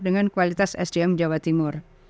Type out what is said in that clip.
dengan kualitas sdm jawa timur